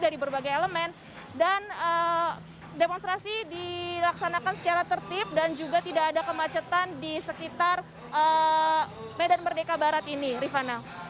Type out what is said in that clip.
di sekitar medan merdeka barat ini rifana